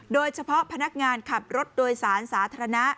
โดยเฉพาะพนักงานขับรถโดยสารสาธารณะ